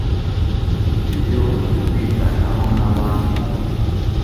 ibyo utumvikanaho n abandi mu